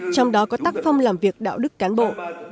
trong đó có tác phong làm việc đạo đức cán bộ